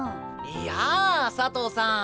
いや佐藤さん